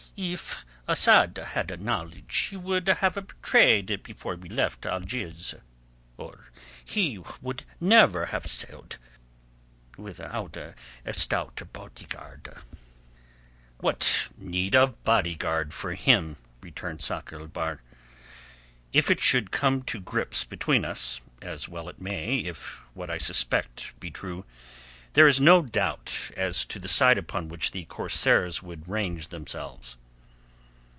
If Asad had knowledge he would have betrayed it before we left Algiers, or else he would never have sailed without a stouter bodyguard of his own. "What need of bodyguard for him?" returned Sakr el Bahr. "If it should come to grips between us—as well it may if what I suspect be true—there is no doubt as to the side upon which the corsairs would range themselves."